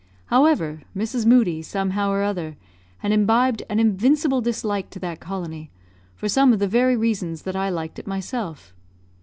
However, Mrs. Moodie, somehow or other, had imbibed an invincible dislike to that colony, for some of the very reasons that I liked it myself.